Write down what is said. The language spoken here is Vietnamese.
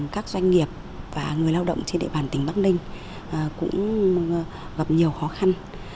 các doanh nghiệp và người lao động trên địa bàn tỉnh bắc ninh cũng gặp nhiều khó khăn